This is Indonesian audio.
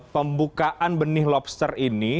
pembukaan benih lobster ini